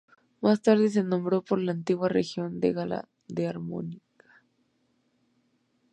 Más tarde se nombró por la antigua región gala de Armórica.